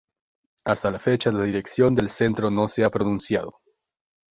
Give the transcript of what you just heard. Hasta la fecha la dirección del centro no se ha pronunciado.